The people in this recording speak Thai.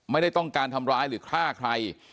ไม่ได้ต้องการทำร้ายหรือฆ่าใคร